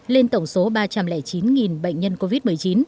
lên tổng số ba trăm linh chín bệnh nhân covid một mươi chín